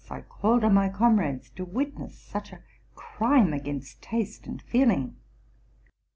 I called on my comrades to witness such a crime against taste and feeling.